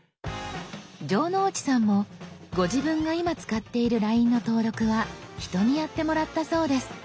城之内さんもご自分が今使っているＬＩＮＥの登録は人にやってもらったそうです。